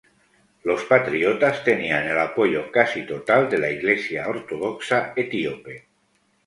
Los patriotas tenían el apoyo casi total de la Iglesia ortodoxa etíope.